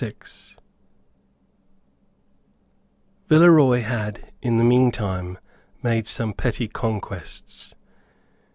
Villeroy had in the meantime made some petty conquests.